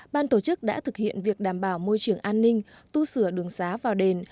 ban tổ chức đã thực hiện việc đảm bảo môi trường an ninh tu sửa đường xá vào đền